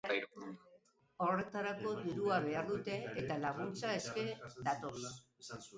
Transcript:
Horretarako dirua behar dute, eta laguntza eske datoz.